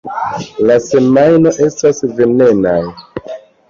La semoj estas venenaj.